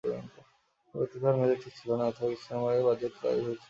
গোড়াতেই তাঁহার মেজাজ ঠিক ছিল না, অথবা কিছুক্ষণের মধ্যেই বাহ্যত তাঁহার ধৈর্যচ্যুতি ঘটিয়াছিল।